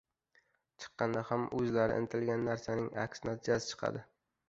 chiqqanda ham o‘zlari intilgan narsaning aks natijasi chiqadi.